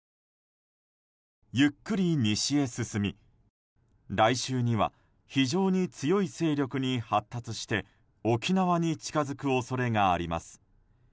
ゆっくり西へ進み来週には、非常に強い勢力に発達して沖縄に近づく恐れがあります。